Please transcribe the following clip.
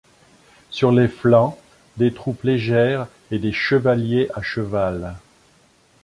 Sur les flancs, des troupes légères et des chevaliers à cheval.